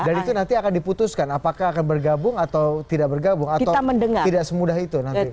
dan itu nanti akan diputuskan apakah akan bergabung atau tidak bergabung atau tidak semudah itu nanti